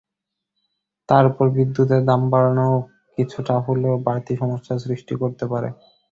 তার ওপর বিদ্যুতের দাম বাড়ানো কিছুটা হলেও বাড়তি সমস্যা সৃষ্টি করতে পারে।